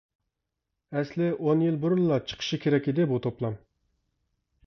ئەسلى ئون يىل بۇرۇنلا چىقىشى كېرەك ئىدى بۇ توپلام!